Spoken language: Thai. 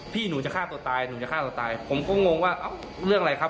พี่หนูจะฆ่าตัวตายหนูจะฆ่าตัวตายผมก็งงว่าเรื่องอะไรครับ